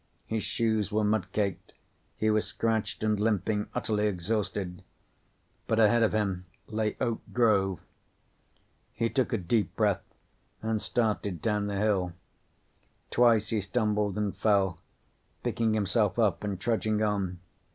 His shoes were mud caked. He was scratched and limping, utterly exhausted. But ahead of him lay Oak Grove. He took a deep breath and started down the hill. Twice he stumbled and fell, picking himself up and trudging on.